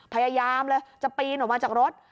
พยายามเลยจะปีนออกมาจากรถ